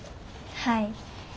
はい。